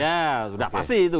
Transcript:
ya sudah pasti itu